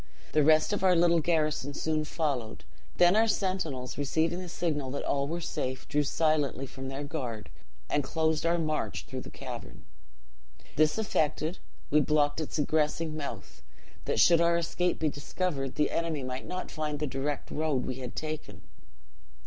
The rest of our little garrison soon followed; then our sentinels, receiving the signal that all were safe, drew silently from their guard, and closed our march through the cavern. "This effected, we blocked up its egressing mouth, that, should our escape be discovered, the enemy might not find the direct road we had taken.